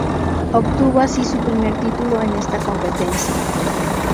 Obtuvo así su primer título en esta competencia.